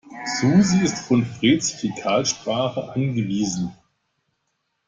Susi ist von Freds Fäkalsprache angewiesen.